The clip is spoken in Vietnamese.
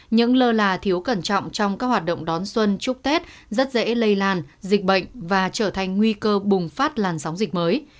những lơ là thiếu cẩn trọng trong các hoạt động đón xuân chúc tết rất dễ lây lan dịch bệnh và trở thành nguy cơ bùng phát làn sóng dịch mới